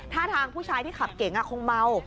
ถ้าทางผู้ชายที่ขับเก๋งคงเมา